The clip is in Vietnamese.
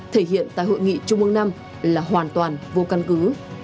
thể hiện tại hội nghị trung ương năm là hoàn toàn vô căn cứ